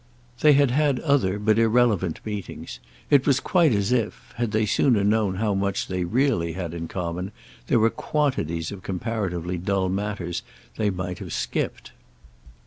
They had had other, but irrelevant, meetings; it was quite as if, had they sooner known how much they really had in common, there were quantities of comparatively dull matters they might have skipped.